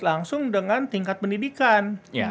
langsung dengan tingkat pendidikan